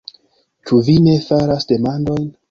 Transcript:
Ĉu vi ne faras demandojn?